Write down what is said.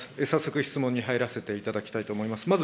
早速質問に入らせていただきたいと思います。